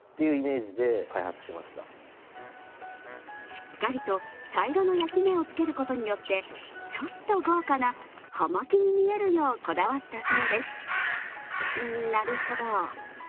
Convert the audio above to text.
しっかりと茶色の焼き目をつけることによってちょっと豪華な葉巻に見えるようこだわったそうです、なるほど。